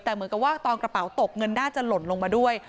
แต่เหมือนกับว่าตอนกระเป๋าตกเงินน่าจะหล่นลงมาด้วย